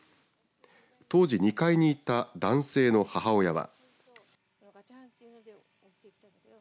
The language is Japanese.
当時２階にいた男性の母親は。